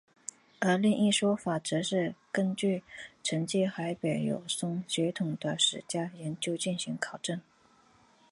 而另一说法则是根据继承海北友松血统的史家的研究进行考证。